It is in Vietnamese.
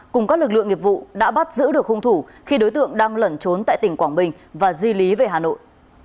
cùng các lực lượng nghiệp vụ đã bắt giữ được hung thủ khi đối tượng đang lẩn trốn tại tỉnh quảng bình và di lý về hà nội